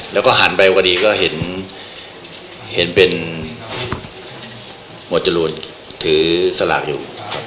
แล้วก็หันไปพอดีก็เห็นเป็นหมวดจรูนถือสลากอยู่